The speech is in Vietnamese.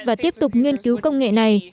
và tiếp tục nghiên cứu công nghệ này